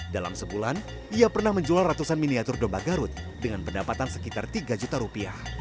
dalam sebulan ia pernah menjual ratusan miniatur domba garut dengan pendapatan sekitar rp tiga